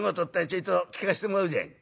ちょいと聞かせてもらおうじゃねえ」。